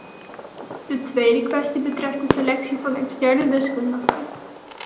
De tweede kwestie betreft de selectie van externe deskundigen.